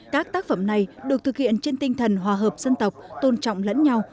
các tác phẩm này được thực hiện trên tinh thần hòa hợp dân tộc tôn trọng lẫn nhau